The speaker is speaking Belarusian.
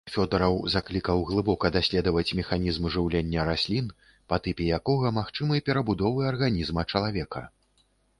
Фёдараў заклікаў глыбока даследаваць механізм жыўлення раслін, па тыпе якога магчымы перабудовы арганізма чалавека.